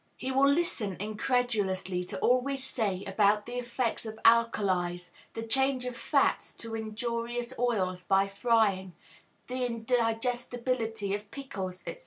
He will listen incredulously to all we say about the effects of alkalies, the change of fats to injurious oils by frying, the indigestibility of pickles, &c.